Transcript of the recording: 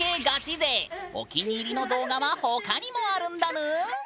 ＪＫガチ勢お気に入りの動画は他にもあるんだぬん！